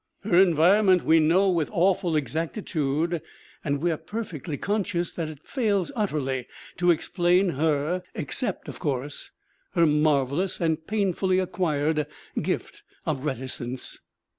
Her environment we know with awful exactitude and we are perfectly conscious that it fails utterly to explain her except, of course, her marvelous and painfully acquired gift of reticence.